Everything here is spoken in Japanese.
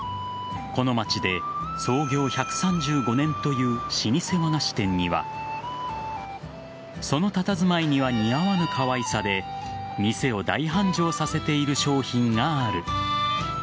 この街で創業１３５年という老舗和菓子店にはそのたたずまいには似合わぬかわいさで店を大繁盛させている商品がある。